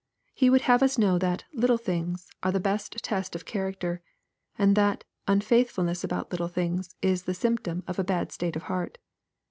He would have us know that "little things'' are the best test of character ;— and that unfaithfulness about "little things" is the symptom of a bad state of heart.